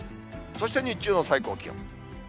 そして日中の最高気温。